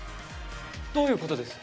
どういうことです！？